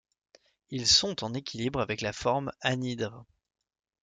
Ils sont en équilibre avec la forme anhydre.